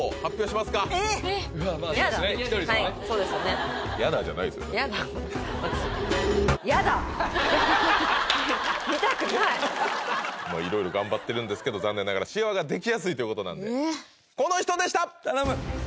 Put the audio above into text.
まぁいろいろ頑張ってるんですけど残念ながらシワができやすいということなんでこの人でした頼む！